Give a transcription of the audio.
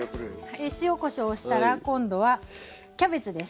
塩こしょうをしたら今度はキャベツです。